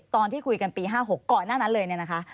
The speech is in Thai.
ตอนที่คุยกันปี๕๖ก่อนหน้านั้นเลยเนี่ยนะคะ